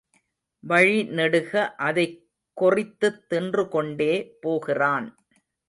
வழிநெடுக அதைக் கொறித்துத் தின்று கொண்டே போகிறான்.